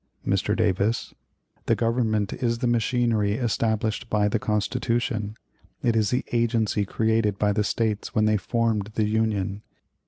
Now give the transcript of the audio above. Mr. Davis: "The Government is the machinery established by the Constitution; it is the agency created by the States when they formed the Union.